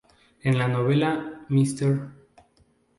En la novela, Mr.